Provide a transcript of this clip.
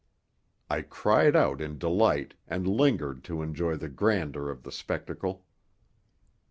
I cried out in delight and lingered to enjoy the grandeur of the spectacle.